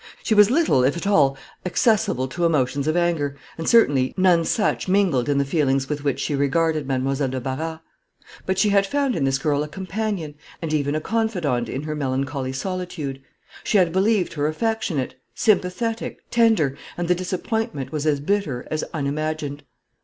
She was little, if at all, accessible to emotions of anger and certainly, none such mingled in the feelings with which she regarded Mademoiselle de Barras. But she had found in this girl a companion, and even a confidante in her melancholy solitude; she had believed her affectionate, sympathetic, tender, and the disappointment was as bitter as unimagined.